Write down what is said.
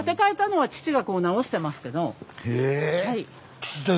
はい。